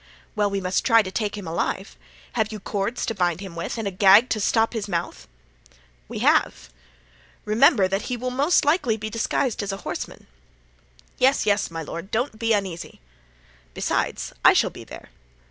"'Well, we must try to take him alive. Have you cords to bind him with and a gag to stop his mouth?' "'We have.' "'Remember that he will most likely be disguised as a horseman.' "'Yes, yes, my lord; don't be uneasy.' "'Besides, I shall be there.